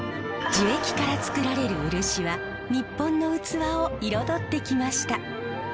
樹液からつくられる漆は日本の器を彩ってきました。